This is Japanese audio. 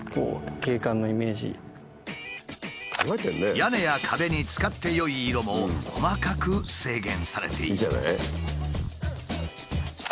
屋根や壁に使ってよい色も細かく制限されている。